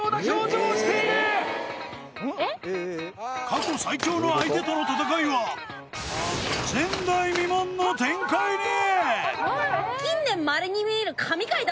過去最強の相手との戦いは前代未聞の展開に。